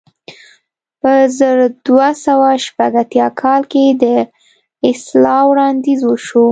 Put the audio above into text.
په زر دوه سوه شپږ اتیا کال کې د اصلاح وړاندیز وشو.